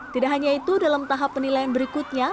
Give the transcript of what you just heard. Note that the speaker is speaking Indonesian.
tidak hanya itu dalam tahap penilaian berikutnya